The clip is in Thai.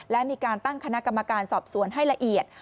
และมีการตั้งคณะกรรมการสอบสวนให้ละเอียด